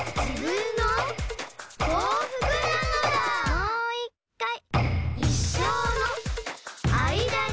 もういっかい！